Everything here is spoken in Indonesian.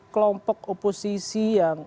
kelompok oposisi yang